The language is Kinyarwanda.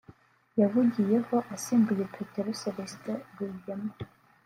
yawugiyeho asimbuye Petero Celestin Rwigema